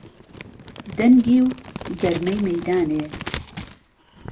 دهنگی و گەرمەی مهیدانێ